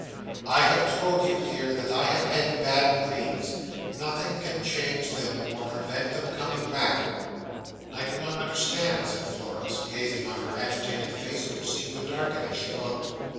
I have told you, dear, that I have had bad dreams. Nothing can change them, or prevent them coming back." "I do not understand," said Florence, gazing on her agitated face which seemed to darken as she looked.